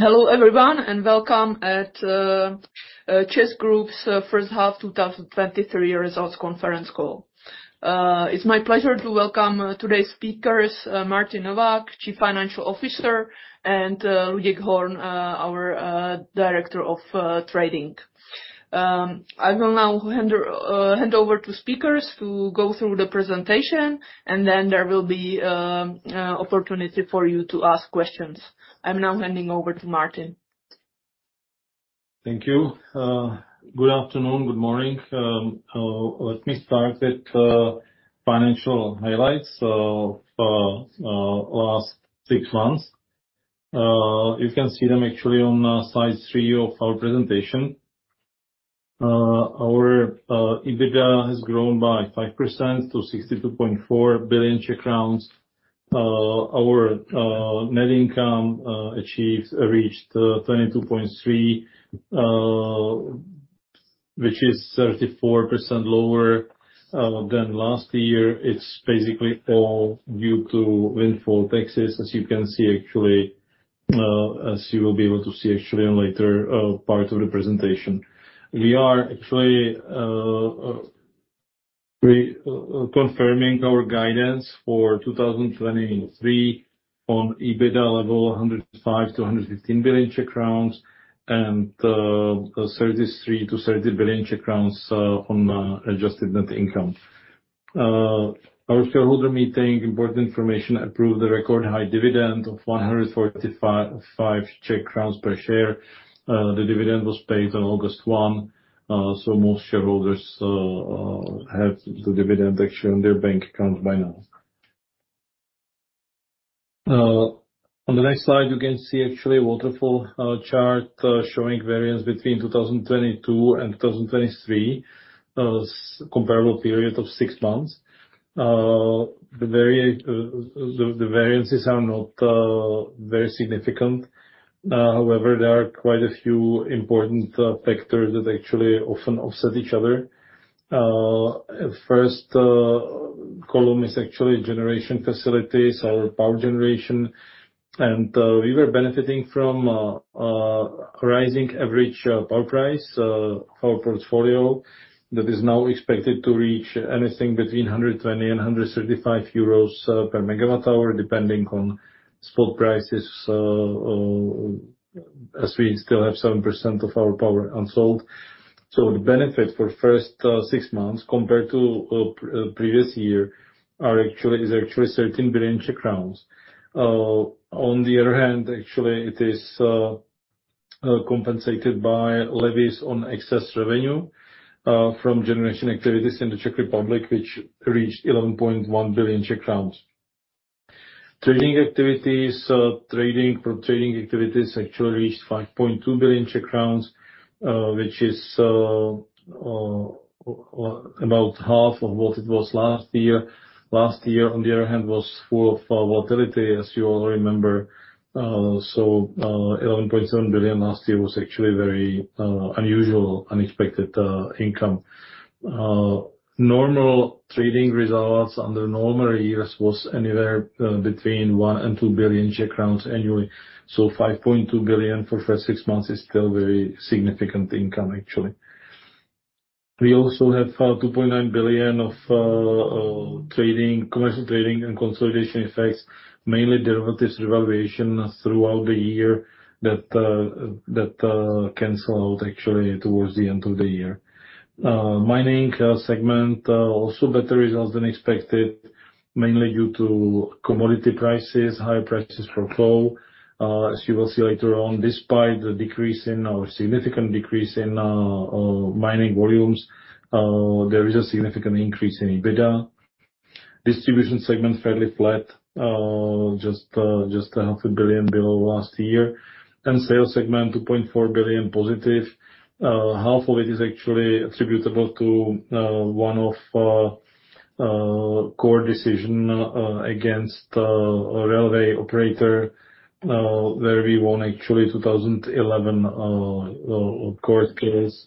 Hello, everyone, and welcome at CEZ Group's First Half 2023 Results Conference Call. It's my pleasure to welcome today's speakers, Martin Novák; Chief Financial Officer, and Luděk Horn; our Director of Trading. I will now hand over to speakers who go through the presentation, and then there will be opportunity for you to ask questions. I'm now handing over to Martin. Thank you. Good afternoon, good morning. Let me start with financial highlights. For last 6 months, you can see them actually on slide three of our presentation. Our EBITDA has grown by 5% to 62.4 billion Czech crowns. Our net income reached 22.3 billion, which is 34% lower than last year. It's basically all due to windfall taxes, as you can see, actually, as you will be able to see actually in later parts of the presentation. We are actually confirming our guidance for 2023 on EBITDA level, 105 billion-115 billion, and 33 billion-30 billion on adjusted net income. Our shareholder meeting, important information, approved the record high dividend of 145 Czech crowns per share. The dividend was paid on August 1st so most shareholders have the dividend actually in their bank account by now. On the next slide, you can see actually a waterfall chart showing variance between 2022 and 2023, a comparable period of six months. The variances are not very significant. However, there are quite a few important factors that actually often offset each other. First column is actually generation facilities, our power generation, and we were benefiting from rising average power price for our portfolio, that is now expected to reach anything between 120 and 135 euros per megawatt-hour, depending on spot prices, as we still have 7% of our power unsold. So the benefit for first 6 months, compared to previous year, is actually 13 billion Czech crowns. On the other hand, actually, it is compensated by levy on excess revenue from generation activities in the Czech Republic, which reached 11.1 billion Czech crowns. Trading activities, pro-trading activities actually reached 5.2 billion Czech crowns, which is about half of what it was last year. Last year, on the other hand, was full of volatility, as you all remember. 11.7 billion last year was actually very unusual, unexpected income. Normal trading results under normal years was anywhere between 1 billion-2 billion Czech crowns annually, so 5.2 billion for first six months is still very significant income, actually. We also have 2.9 billion of trading, commercial trading and consolidation effects, mainly derivatives revaluation throughout the year that that cancel out actually towards the end of the year. Mining segment also better results than expected, mainly due to commodity prices, higher prices for coal. As you will see later on, despite the decrease in significant decrease in mining volumes, there is a significant increase in EBITDA. Distribution segment, fairly flat, just 500 million below last year. Sales segment, 2.4 billion positive. Half of it is actually attributable to one of core decision against a railway operator, where we won actually 2011 court case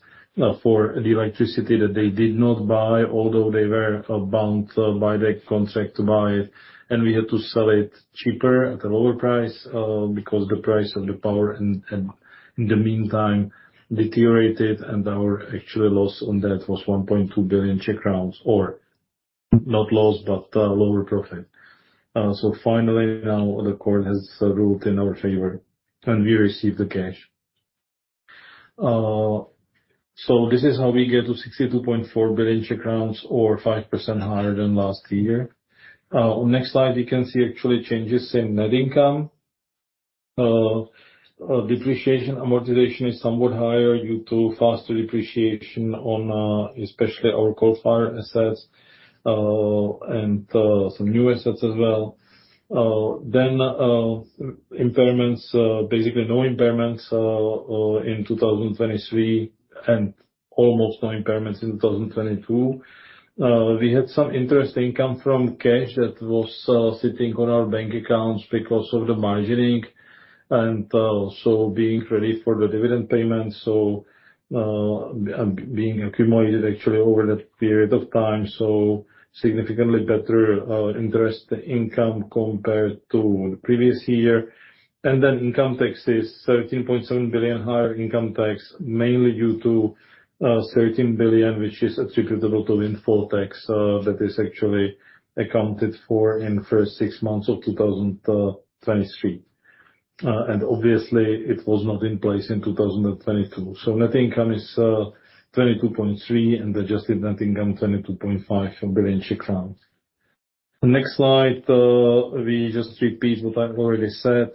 for the electricity that they did not buy, although they were bound by the contract to buy it. We had to sell it cheaper, at a lower price, because the price of the power in, in, in the meantime deteriorated, and our actual loss on that was 1.2 billion, or not lost, but lower profit. Finally, now the court has ruled in our favor, and we received the cash. This is how we get to 62.4 billion, or 5% higher than last year. On next slide, we can see actually changes in net income. Depreciation amortization is somewhat higher due to faster depreciation on especially our coal-fired assets and some new assets as well. Impairments, basically no impairments in 2023, and almost no impairments in 2022. We had some interest income from cash that was sitting on our bank accounts because of the margining, and so being ready for the dividend payment, so being accumulated actually over that period of time, so significantly better interest income compared to the previous year. Income tax is 13.7 billion, higher income tax, mainly due to 13 billion, which is attributable to windfall tax, that is actually accounted for in the first six months of 2023. Obviously, it was not in place in 2022. Net income is 22.3, and adjusted net income, 22.5 billion Czech crowns. The next slide, we just repeat what I've already said.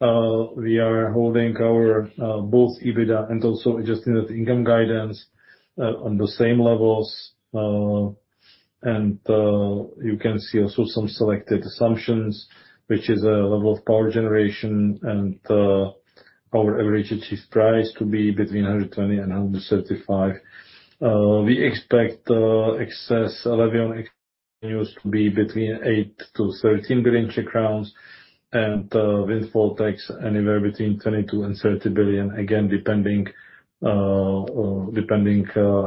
We are holding our both EBITDA and also adjusted net income guidance on the same levels. You can see also some selected assumptions, which is a level of power generation and our average achieved price to be between 120 and 135. We expect excess levy on continues to be between 8 billion-13 billion Czech crowns, and windfall tax anywhere between 22 billion and 30 billion. Again, depending, depending,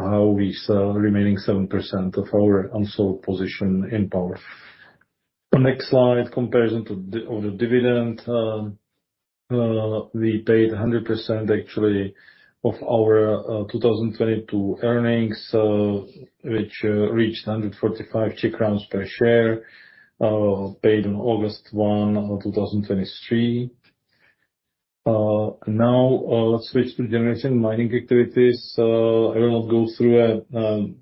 how we sell remaining 7% of our unsold position in power. The next slide, comparison to the, on the dividend. We paid 100% actually, of our 2022 earnings, which reached 145 per share, paid on August 1st of 2023. Now, let's switch to generation mining activities. I will not go through it,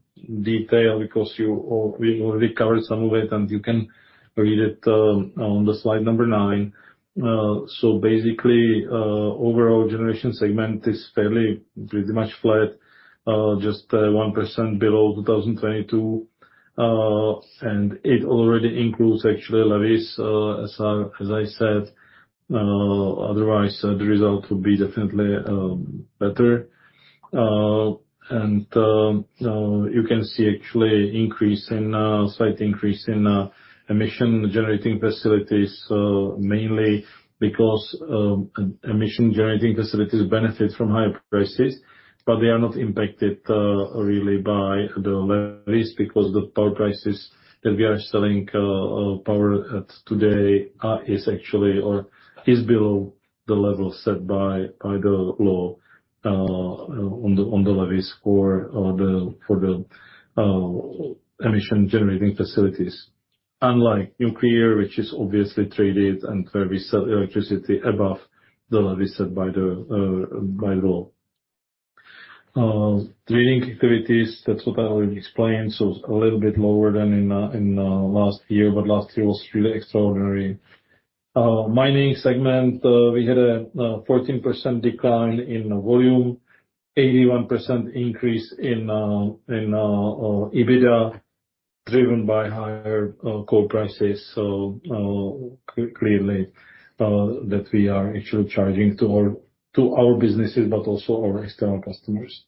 detail, because you all- we already covered some of it, and you can read it on the slide number nine. Basically, overall generation segment is fairly, pretty much flat, just 1% below 2022. It already includes actually levies as I said. Otherwise, the result would be definitely better. You can see actually increase in slight increase in emission-generating facilities, mainly because emission-generating facilities benefit from higher prices, but they are not impacted really by the levies, because the power prices that we are selling power at today is actually or is below the level set by the law on the levies for the for the emission-generating facilities. Unlike nuclear, which is obviously traded, and where we sell electricity above the levy set by the law. Trading activities, that's what I already explained, a little bit lower than in, in, last year, but last year was really extraordinary. Mining segment, we had a, 14% decline in volume, 81% increase in, in, EBITDA, driven by higher, coal prices. Clearly, that we are actually charging to our, to our businesses, but also our external customers.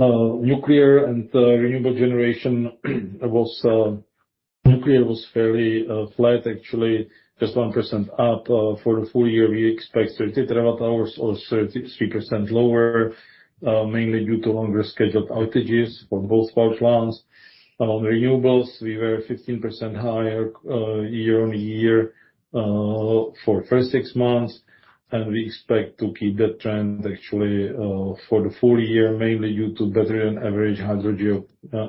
Nuclear and, renewable generation, was, nuclear was fairly, flat, actually just 1% up. For the full year, we expect 30 terawatt-hours, or 33% lower, mainly due to longer scheduled outages for both power plants. On renewables, we were 15% higher, year-on-year, for the first 6 months, and we expect to keep that trend actually, for the full year, mainly due to better-than-average hydrogeo,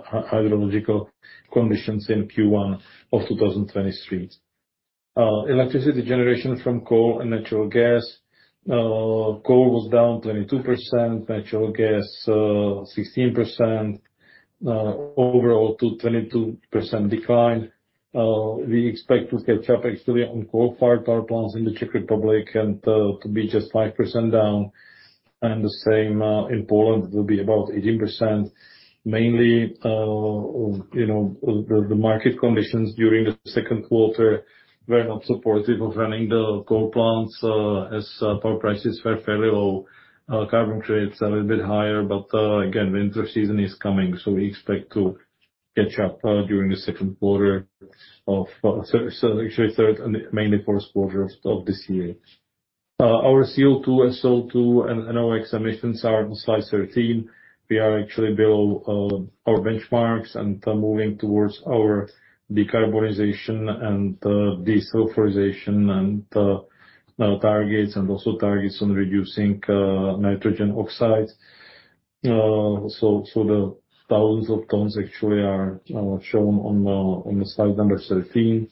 hydrological conditions in Q1 of 2023. Electricity generation from coal and natural gas. Coal was down 22%, natural gas, 16%. Overall to 22% decline. We expect to catch up actually on coal-fired power plants in the Czech Republic, and to be just 5% down, and the same in Poland will be about 18%. Mainly, you know, the, the market conditions during the second quarter were not supportive of running the coal plants, as power prices were fairly low. Carbon credits a little bit higher, but again, winter season is coming, so we expect to catch up during the second quarter of, so actually, third and mainly fourth quarters of this year. Our CO2 and SO2 and NOx emissions are on slide 13. We are actually below our benchmarks, and are moving towards our decarbonization and desulfurization, and targets, and also targets on reducing nitrogen oxides. So the thousands of tons actually are shown on the slide number 13.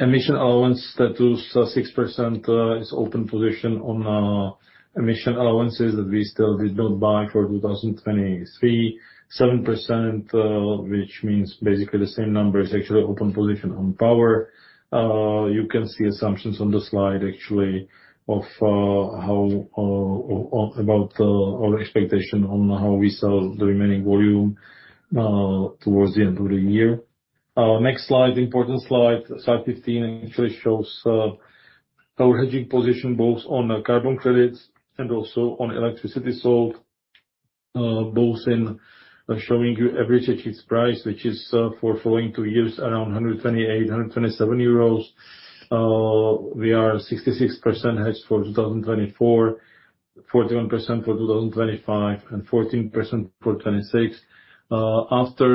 Emission allowance that lose 6%, is open position on emission allowances that we still did not buy for 2023. 7%, which means basically the same number, is actually open position on power. You can see assumptions on the slide actually of how on about our expectation on how we sell the remaining volume towards the end of the year. Next slide, important slide, slide 15, actually shows our hedging position, both on carbon credits and also on electricity sold. Both in showing you average achieved price, which is for following two years, around 128-127 euros. We are 66% hedged for 2024, 41% for 2025, and 14% for 2026. After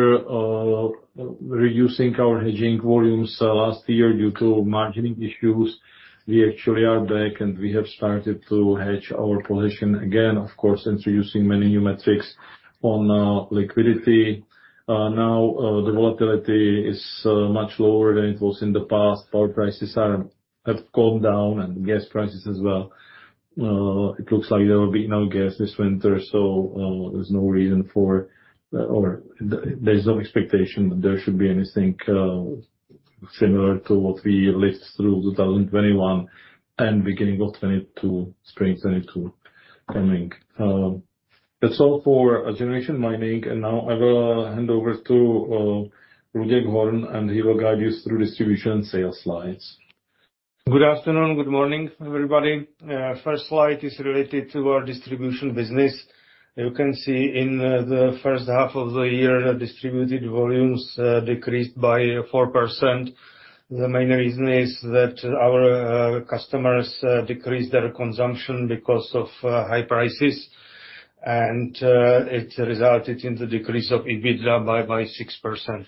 reducing our hedging volumes last year due to margining issues. We actually are back, and we have started to hedge our position again, of course, introducing many new metrics on liquidity. Now the volatility is much lower than it was in the past. Power prices are, have calmed down, and gas prices as well. It looks like there will be no gas this winter, so, there's no reason for, or there's no expectation that there should be anything, similar to what we lived through 2021 and beginning of 2022, spring 2022 coming. That's all for generation mining. Now I will hand over to Ludek Horn, and he will guide you through distribution and sales slides. Good afternoon, good morning, everybody. First slide is related to our distribution business. You can see in the first half of the year, distributed volumes decreased by 4%. The main reason is that our customers decreased their consumption because of high prices, and it resulted in the decrease of EBITDA by 6%.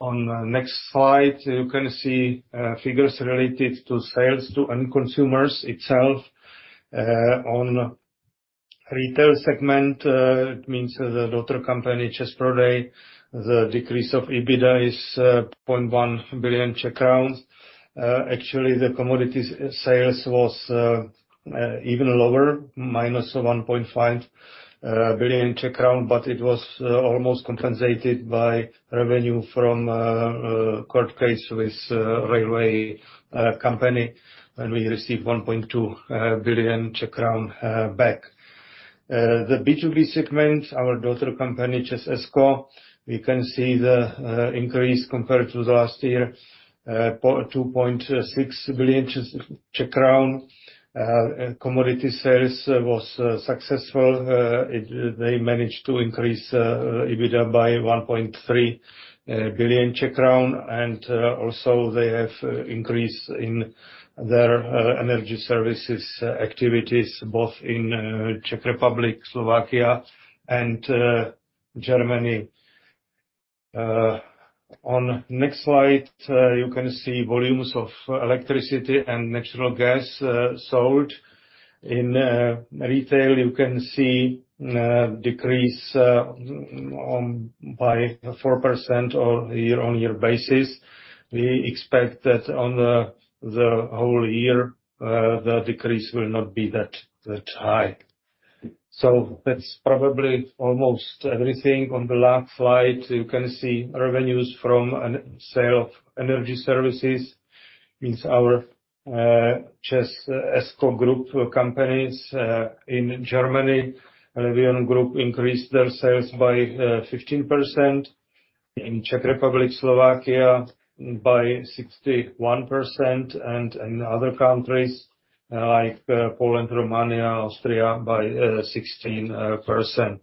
On the next slide, you can see figures related to sales to end consumers itself. On retail segment, it means the daughter company, ČEZ Prodej, the decrease of EBITDA is 0.1 billion Czech crowns. Actually, the commodities sales was even lower, minus 1.5 billion, but it was almost compensated by revenue from a court case with railway company, and we received 1.2 billion back. The B2B segment, our daughter company, ČEZ ESCO, we can see the increase compared to the last year, 2.6 billion Czech crown. Commodity sales was successful. They managed to increase EBITDA by 1.3 billion Czech crown, and also they have increase in their energy services activities, both in Czech Republic, Slovakia, and Germany. On next slide, you can see volumes of electricity and natural gas sold. In retail, you can see decrease on by 4% on year-on-year basis. We expect that on the whole year, the decrease will not be that high. That's probably almost everything. On the last slide, you can see revenues from an sale of energy services is our ČEZ ESCO group companies in Germany. BE-ON Group increased their sales by 15%, in Czech Republic, Slovakia by 61%, and in other countries, like Poland, Romania, Austria, by 16%.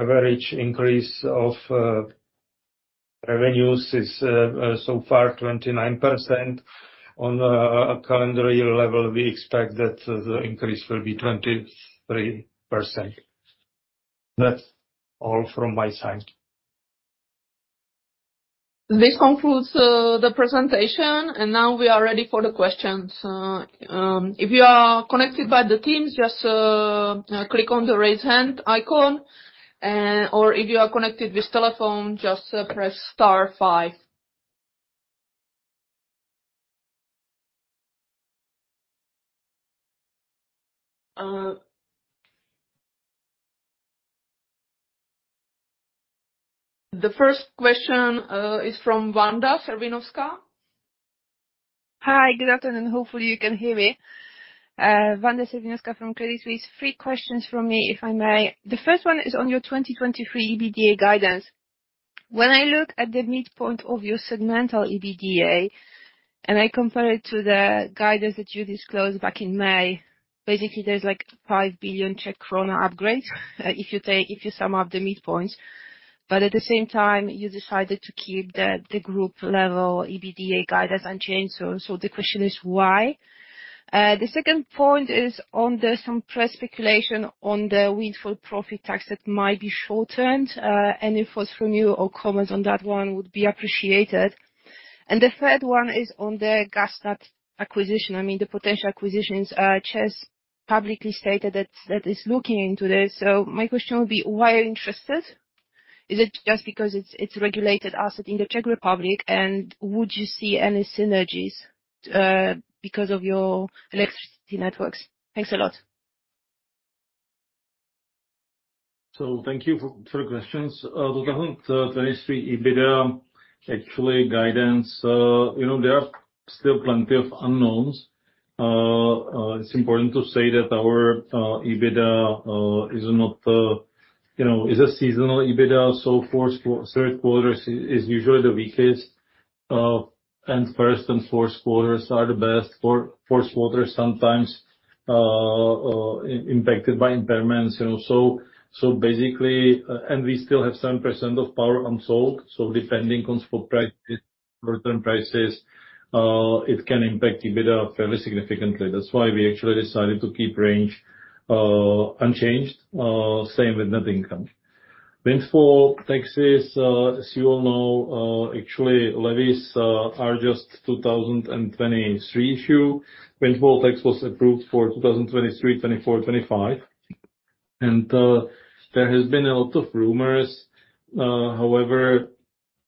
Average increase of revenues is so far 29%. On a calendar year level, we expect that the increase will be 23%. That's all from my side. This concludes the presentation, and now we are ready for the questions. If you are connected by the Teams, just click on the Raise Hand icon, or if you are connected with telephone, just press star five. The first question is from Wanda Serwinowska. Hi, good afternoon. Hopefully, you can hear me. Wanda Serwinowska from Credit Suisse. Three questions from me, if I may. The first one is on your 2023 EBITDA guidance. When I look at the midpoint of your segmental EBITDA, and I compare it to the guidance that you disclosed back in May, basically, there's, like, CZK 5 billion upgrade, if you sum up the midpoints. At the same time, you decided to keep the, the group-level EBITDA guidance unchanged, so the question is, why? The second point is on the some press speculation on the windfall profit tax that might be shortened. Any thoughts from you or comments on that one would be appreciated. The third one is on the GasNet acquisition, I mean, the potential acquisitions. ČEZ publicly stated that, that it's looking into this. My question would be: Why are you interested? Is it just because it's, it's a regulated asset in the Czech Republic, and would you see any synergies because of your electricity networks? Thanks a lot. Thank you for, for the questions. Regarding the 2023 EBITDA, actually, guidance, you know, there are still plenty of unknowns. It's important to say that our EBITDA is not, you know, is a seasonal EBITDA, so fourth, third quarters is, is usually the weakest, and first and fourth quarters are the best. Fourth quarter sometimes impacted by impairments, you know, so, so basically. We still have some % of power unsold, so depending on spot short-term prices, it can impact EBITDA fairly significantly. That's why we actually decided to keep range unchanged, same with net income. Windfall taxes, as you all know, actually levies, are just 2023 issue. Windfall tax was approved for 2023, 2024, 2025, and there has been a lot of rumors. However,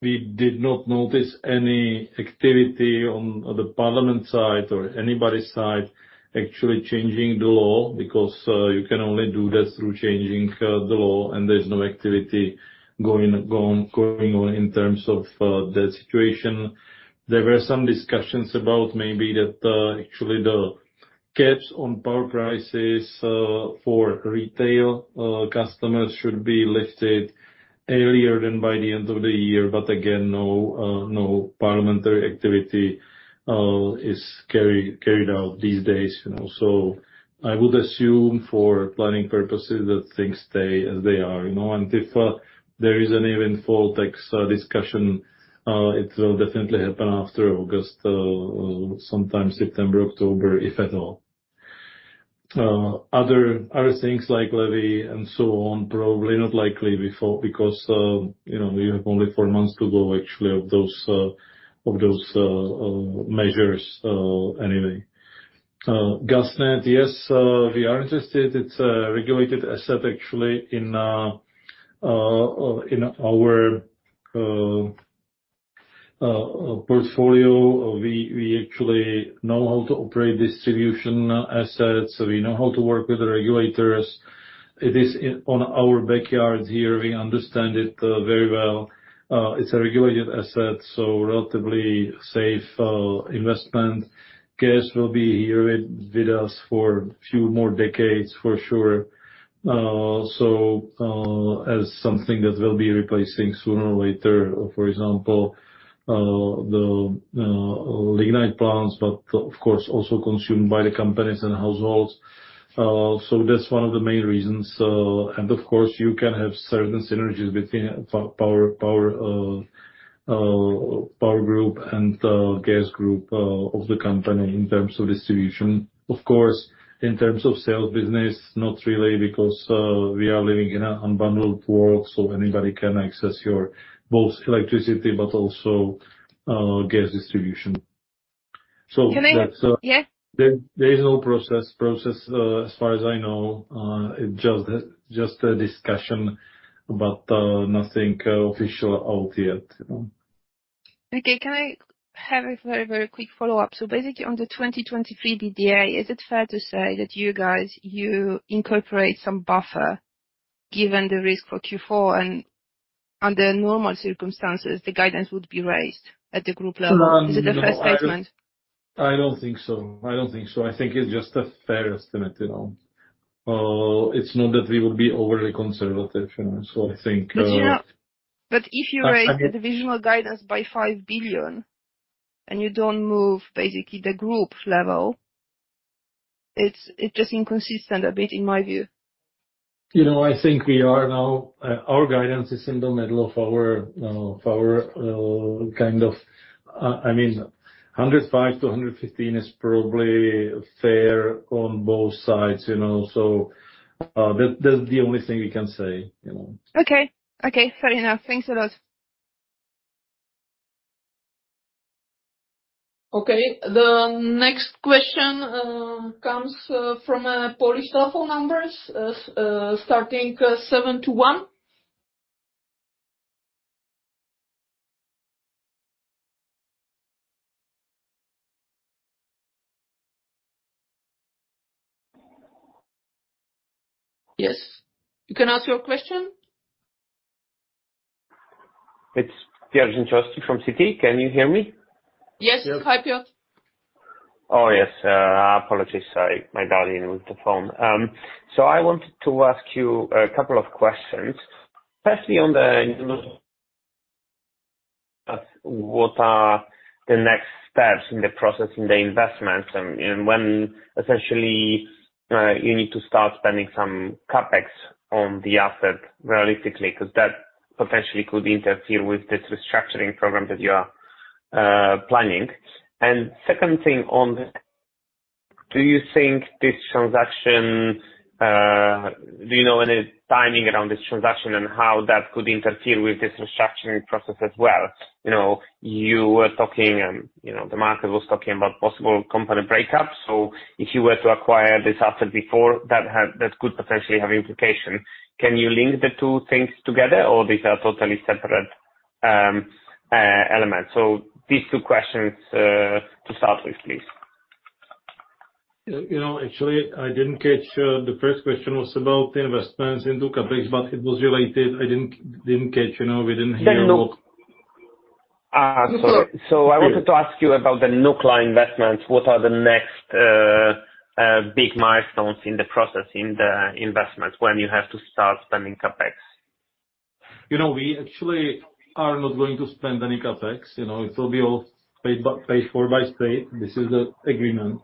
we did not notice any activity on the parliament side or anybody's side actually changing the law, because you can only do that through changing the law, and there's no activity going on in terms of that situation. There were some discussions about maybe that actually the caps on power prices for retail customers should be lifted earlier than by the end of the year. Again, no parliamentary activity is carried out these days, you know. I would assume for planning purposes, that things stay as they are, you know, and if there is any windfall tax discussion, it will definitely happen after August, sometime September, October, if at all. Other, other things like levy and so on, probably not likely before, because, you know, we have only four months to go actually, of those, of those, measures, anyway. GasNet, yes, we are interested. It's a regulated asset actually, in our, portfolio. We, we actually know how to operate distribution assets, we know how to work with the regulators. It is on our backyard here, we understand it, very well. It's a regulated asset, so relatively safe, investment. Gas will be here with, with us for a few more decades for sure. As something that will be replacing sooner or later, for example, the, lignite plants, but of course, also consumed by the companies and households. That's one of the main reasons. Of course, you can have certain synergies between power, power group and gas group of the company in terms of distribution. Of course, in terms of sales business, not really, because we are living in an unbundled world, so anybody can access your both electricity, but also, gas distribution. So that's. Yeah. There is no process as far as I know. It's just a discussion, but nothing official out yet, you know? Okay. Can I have a very, very quick follow-up? Basically, on the 2023 DD&A, is it fair to say that you guys, you incorporate some buffer, given the risk for Q4, and under normal circumstances, the guidance would be raised at the group level? No. Is it a fair statement? I don't think so. I don't think so. I think it's just a fair estimate, you know? It's not that we would be overly conservative, you know, so I think. You know, if you raise The divisional guidance by 5 billion, and you don't move basically the group level, it's just inconsistent a bit, in my view. You know, I think we are now, our guidance is in the middle of our, of our, kind of. I mean, 105-115 is probably fair on both sides, you know, so, that, that's the only thing we can say, you know? Okay. Okay, fair enough. Thanks a lot. Okay, the next question comes from Polish telephone numbers, starting 721. Yes, you can ask your question. It's Piotr Dzięciołowski from Citi. Can you hear me? Yes, hi, Piotr. Oh, yes, apologies, sorry. My darling with the phone. I wanted to ask you a couple of questions, firstly, on the, you know, what are the next steps in the process, in the investments, and, and when essentially, you need to start spending some CapEx on the asset realistically? 'Cause that potentially could interfere with this restructuring program that you are planning. Second thing on, do you think this transaction? Do you know any timing around this transaction and how that could interfere with this restructuring process as well? You know, you were talking, you know, the market was talking about possible company breakups. If you were to acquire this asset before that had, that could potentially have implications. Can you link the two things together, or these are totally separate, elements? These two questions, to start with, please. You know, actually, I didn't catch, the first question was about the investments in nuclear investiments, but it was related. I didn't, didn't catch, you know, we didn't hear well. Sorry. Sure. I wanted to ask you about the nuclear investments. What are the next big milestones in the process, in the investments, when you have to start spending CapEx? You know, we actually are not going to spend any CapEx. You know, it will be all paid for by state. This is the agreement.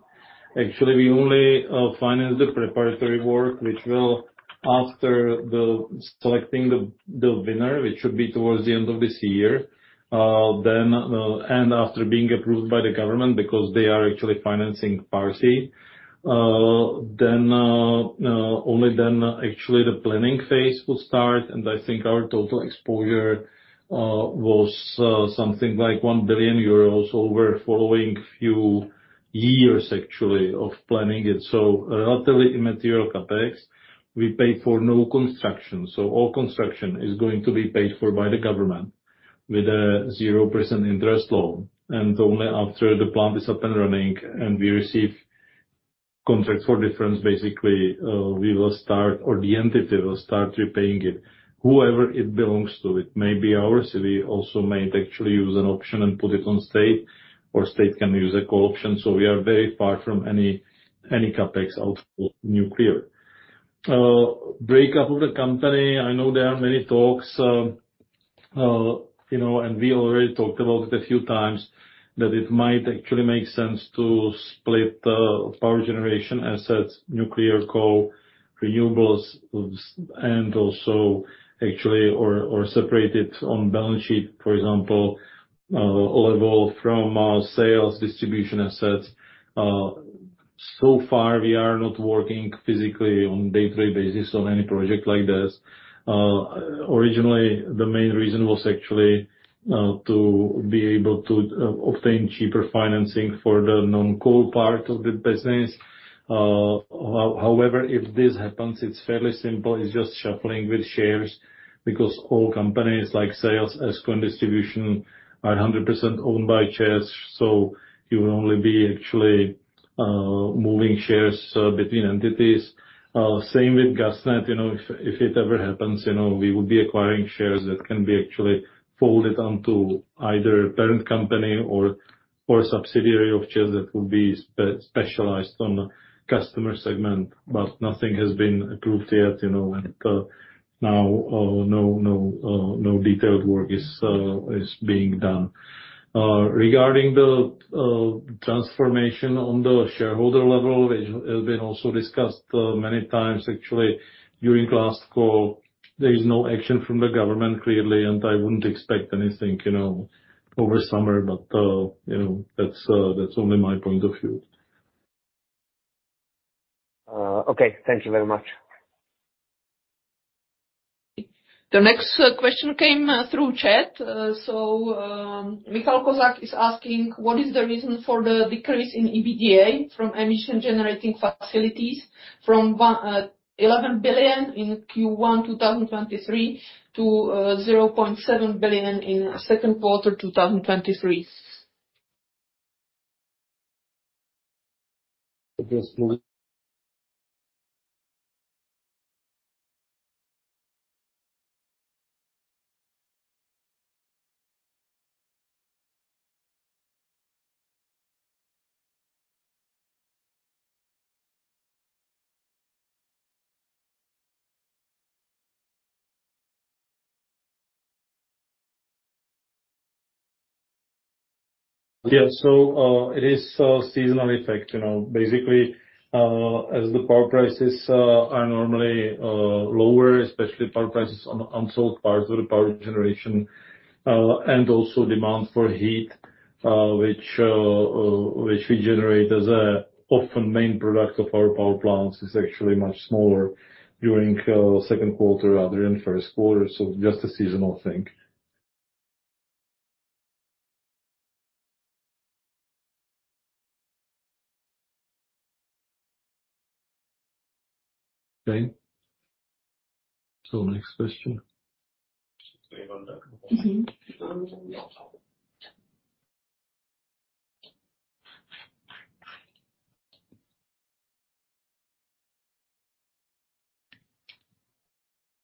Actually, we only finance the preparatory work, which will-... after selecting the winner, which should be towards the end of this year, then, and after being approved by the government, because they are actually financing party, then, only then actually the planning phase will start, and I think our total exposure was something like 1 billion euros over following few years, actually, of planning it. So relatively immaterial CapEx. We paid for no construction, so all construction is going to be paid for by the government with a zero percent interest loan. Only after the plant is up and running and we receive Contract for Difference, basically, we will start, or the entity will start repaying it. Whoever it belongs to, it may be ours, we also might actually use an option and put it on state, or state can use a call option, so we are very far from any, any CapEx out nuclear. Break up of the company, I know there are many talks, you know, and we already talked about it a few times, that it might actually make sense to split the power generation assets, nuclear, coal, renewables, and also actually, or separate it on balance sheet. For example, level from our sales distribution assets. So far, we are not working physically on day-to-day basis on any project like this. Originally, the main reason was actually to be able to obtain cheaper financing for the non-coal part of the business. However, if this happens, it's fairly simple, it's just shuffling with shares, because all companies, like sales as distribution, are a hundred percent owned by CEZ, so you will only be actually, moving shares between entities. Same with GasNet, you know, if, if it ever happens, you know, we would be acquiring shares that can be actually folded onto either parent company or, or a subsidiary of CEZ that would be specialized on customer segment, but nothing has been approved yet, you know, and, now, no, no, no detailed work is being done. Regarding the transformation on the shareholder level, it, it has been also discussed, many times, actually, during last call. There is no action from the government, clearly, and I wouldn't expect anything, you know, over summer, but, you know, that's, that's only my point of view. Okay, thank you very much. The next question came through chat. So Michael Kozak is asking: What is the reason for the decrease in EBITDA from emission-generating facilities, from 11 billion in Q1 2023, to 0.7 billion in second quarter 2023? Yes, so, it is a seasonal effect, you know. Basically, as the power prices are normally lower, especially power prices on, on sold parts of the power generation, and also demand for heat, which, which we generate as a often main product of our power plants, is actually much smaller during second quarter rather than first quarter, so just a seasonal thing. Okay. Next question. Mm-hmm.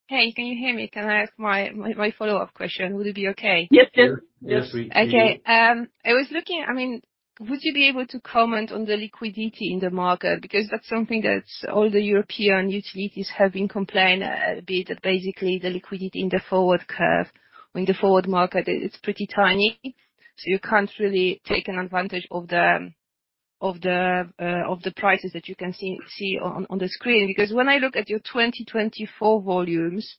Hey, can you hear me? Can I ask my, my, my follow-up question? Would it be okay? Yes. Yes, we hear you. Okay, I mean, would you be able to comment on the liquidity in the market? That's something that's all the European utilities have been complaining a bit, that basically the liquidity in the forward curve, in the forward market, it's pretty tiny, so you can't really take an advantage of the, of the prices that you can see on the screen. When I look at your 2024 volumes,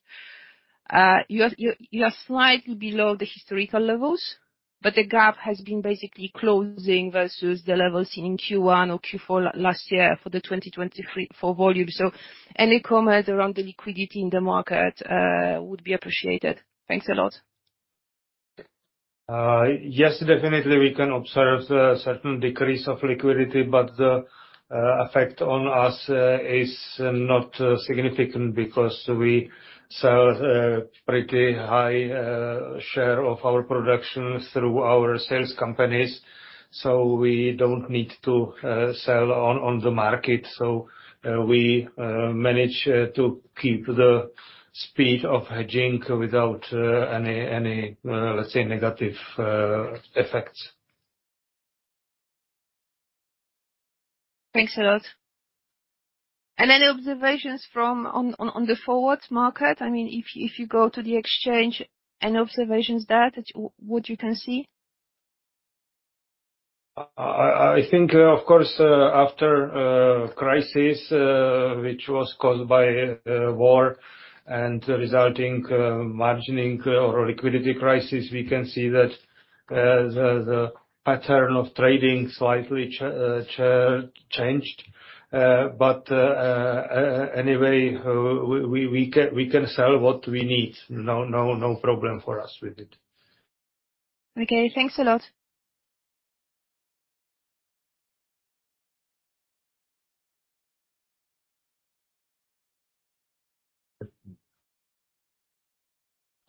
you are slightly below the historical levels, but the gap has been basically closing versus the levels in Q1 or Q4 last year for the 2023, 2024 volume. Any comment around the liquidity in the market would be appreciated. Thanks a lot. Yes, definitely we can observe a certain decrease of liquidity, but the effect on us is not significant because we sell a pretty high share of our production through our sales companies, so we don't need to sell on the market. We manage to keep the speed of hedging without any, any, let's say, negative effects. Thanks a lot. Any observations from on, on, on the forward market? I mean, if you, if you go to the exchange, any observations there, that what you can see? I think, of course, after crisis, which was caused by war and resulting margining or liquidity crisis, we can see that the pattern of trading slightly changed. Anyway, we, we, we can, we can sell what we need. No, no, no problem for us with it. Okay, thanks a lot.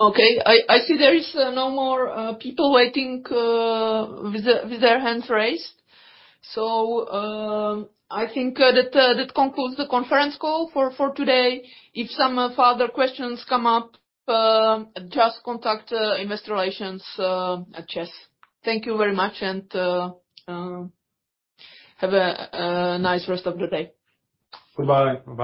Okay, I, I see there is no more people waiting with their, with their hands raised, so I think that that concludes the conference call for, for today. If some further questions come up, just contact Investor Relations at CEZ. Thank you very much, and have a nice rest of the day. Goodbye. Bye bye.